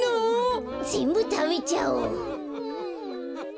ぜんぶたべちゃおう。